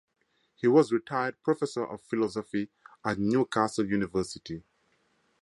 He was a retired Professor of Philosophy at Newcastle University.